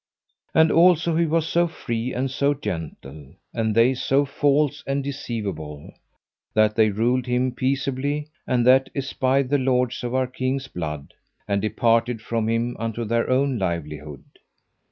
And also he was so free and so gentle, and they so false and deceivable, that they ruled him peaceably; and that espied the lords of our king's blood, and departed from him unto their own livelihood.